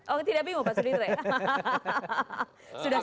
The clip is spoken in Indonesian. oh tidak bingung pak sudir